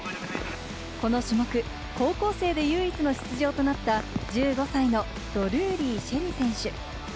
この種目、高校生で唯一の出場となった１５歳のドルーリー朱瑛里選手。